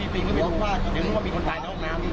พี่ปีกก็ไปดูยังรู้ว่ามีคนตายในห้องน้ำ